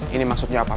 ini maksudnya apa